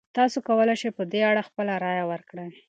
تاسو کولی شئ په دې اړه خپله رایه ورکړئ.